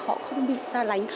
họ không bị xa lánh